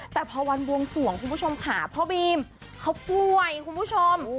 แต่พอวันบวงสวงคุณผู้ชมค่ะพ่อบีมเขาป่วยคุณผู้ชม